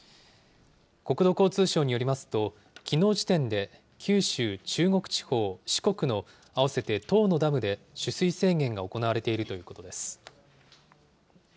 国土交通省によりますと、きのう時点で九州、中国地方、四国の合わせて１０のダムで取水制限が行われているということです。